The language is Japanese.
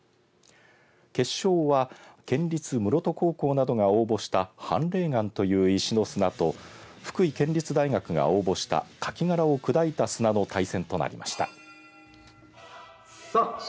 決勝は県立室戸高校などが応募した斑れい岩という石の砂と福井県立大学が応募したかき殻を砕いた砂の対戦となりました。